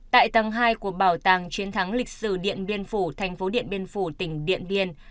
tại tầng hai của bảo tàng chiến thắng lịch sử điện biên phủ thành phố điện biên phủ tỉnh điện biên